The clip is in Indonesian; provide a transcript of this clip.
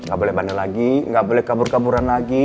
gak boleh bandel lagi gak boleh kabur kaburan lagi